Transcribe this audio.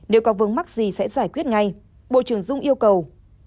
nếu có vướng mắc gì sẽ giải quyết ngay bộ trưởng dung yêu cầu